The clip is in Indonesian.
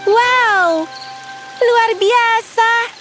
wow luar biasa